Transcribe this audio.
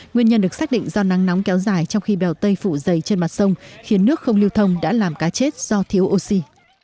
nguyên nhân được xác định do nắng nóng kéo dài trong khi bèo tây phụ dày trên mặt sông khiến nước không lưu thông đã làm cá chết do thiếu oxy